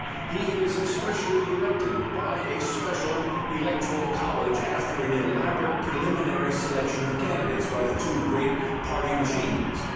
He is specially elected by a special electoral college after an elaborate preliminary selection of candidates by the two great party machines.